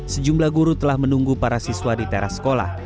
sejumlah guru telah menunggu para siswa di teras sekolah